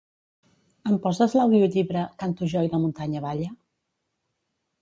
Em poses l'audiollibre "Canto jo i la muntanya balla"?